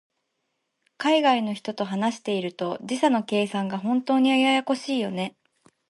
海外の人と話していると、時差の計算が本当にややこしいよね。